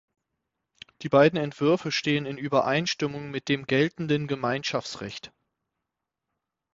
Die beiden Entwürfe stehen in Übereinstimmung mit dem geltenden Gemeinschaftsrecht.